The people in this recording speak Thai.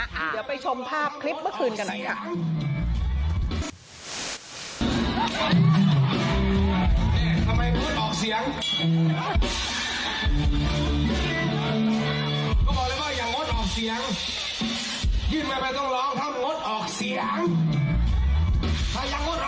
เดี๋ยวไปชมภาพคลิปเมื่อคืนกันหน่อยค่ะ